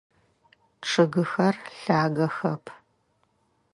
Чъыгыхэр лъагэхэп.